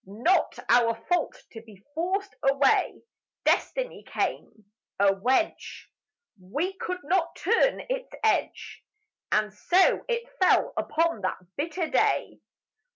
Not our fault to be forced away, Destiny came: A wedge: We could not turn its edge; And so it fell upon that bitter day.